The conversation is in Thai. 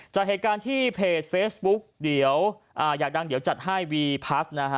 จ่ายเหตุการณ์ที่เพจเฟซบุ๊กอยากดังเดี๋ยวจัดให้วีพัส